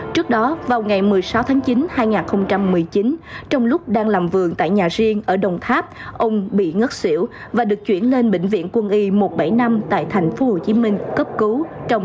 trước đó vào ngày một mươi sáu tháng chín hai nghìn một mươi chín trong lúc đang làm vườn tại nhà riêng ở đồng tháp ông bị ngất xỉu và được chuyển lên bệnh viện quân y một trăm bảy mươi năm tại tp hcm cấp cứu